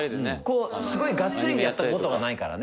すごいガッツリやったことがないからね。